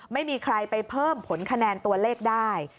ไม่มีใครไปเพิ่มผลคะแนนตัวเลขได้